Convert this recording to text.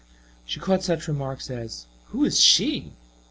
She caught such remarks as, "Who is she?"